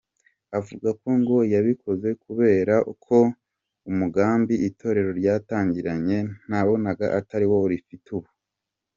Avuga ko ngo yabikoze “kubera ko umugambi itorero ryatangiranye nabonaga atari wo rifite ubu.